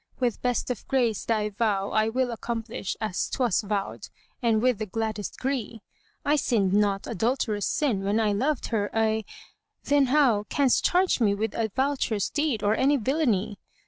with best of grace thy vow * I will accomplish as 'twas vowed and with the gladdest gree. I sinned not adulterous sin when loved her I, then how * Canst charge me with advowtrous deed or any villainy?